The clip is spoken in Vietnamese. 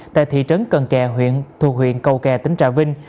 tại thị trấn cần kè huyện thuộc huyện cầu kè tỉnh trà vinh